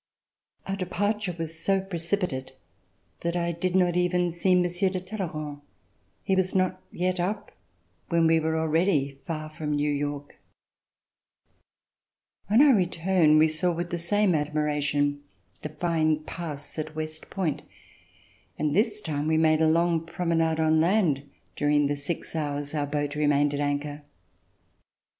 Our departure was so precipitate that I did not even see Monsieur de Talleyrand. He was not yet up when we were already far from New York. On our return we saw with the same admiration the fine pass at West Point, and this time we made 1 RECOLLECTIONS OF THE REVOLUTION a long promenade on land during the six hours our boat remained at anchor.